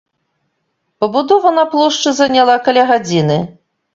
Пабудова на плошчы заняла каля гадзіны.